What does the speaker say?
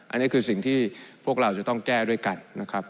อันนี้คือสิ่งที่พวกเราจะต้องแก้ด้วยกันนะครับ